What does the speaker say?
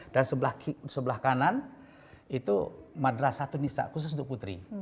dan sebelah kanan itu madrasah tunisah khusus untuk putri